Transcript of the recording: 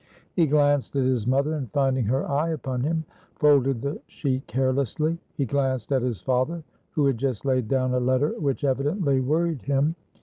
He glanced at his mother, and, finding her eye upon him, folded the sheet carelessly. He glanced at his father, who had just laid down a letter which evidently worried him.